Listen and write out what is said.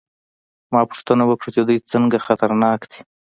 ما پوښتنه وکړه چې دوی څنګه خطرناک دي